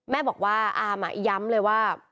แม่บอกว่าอามย้ำเลยว่า